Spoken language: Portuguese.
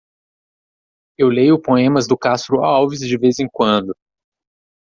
Eu leio poemas do Castro Alves de vez em quando.